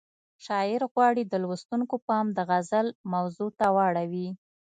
شاعر غواړي د لوستونکو پام د غزل موضوع ته واړوي.